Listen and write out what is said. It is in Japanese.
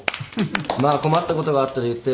まあ困ったことがあったら言ってよ。